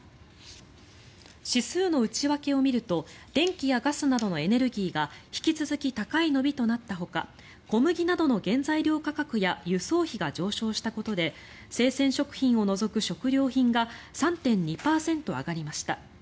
指数の内訳を見ると電気やガスなどのエネルギーが引き続き高い伸びとなったほか小麦などの原材料価格や輸送費が上昇したことで生鮮食品を除く食料品が３．２％上がりました。